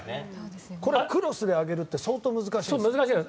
あれをクロスで上げるって相当難しいの？